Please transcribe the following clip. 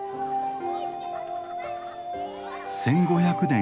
１，５００年